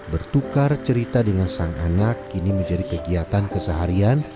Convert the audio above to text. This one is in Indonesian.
bertukar cerita dengan sang anak kini menjadi kegiatan keseharian